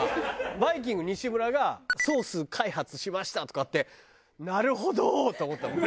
バイきんぐ西村が「ソース開発しました」とかってなるほど！と思ったもん。